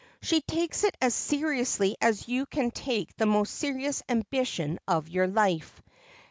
"She takes it as seriously as you can take the most serious ambition of your life.